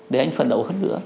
để anh phần đầu hơn nữa